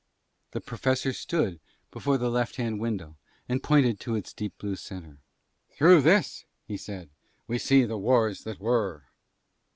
The Professor stood before the left hand window and pointed to its deep blue centre. "Through this," he said, "we see the wars that were."